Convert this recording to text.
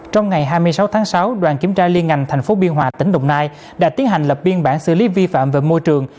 trong ngày hai mươi sáu tháng sáu đoàn kiểm tra liên ngành tp biên hòa tỉnh đồng nai đã tiến hành lập biên bản xử lý vi phạm về môi trường